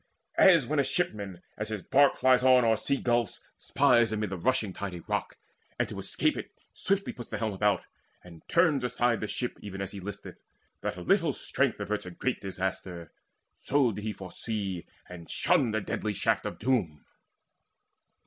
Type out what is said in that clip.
As when a shipman, as his bark flies on O'er sea gulfs, spies amid the rushing tide A rock, and to escape it swiftly puts The helm about, and turns aside the ship Even as he listeth, that a little strength Averts a great disaster; so did he Foresee and shun the deadly shaft of doom.